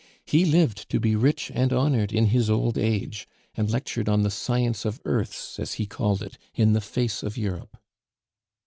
He lived to be rich and honored in his old age, and lectured on the 'Science of Earths,' as he called it, in the face of Europe."